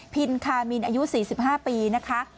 ินคามินอายุ๔๕ปีนะคะ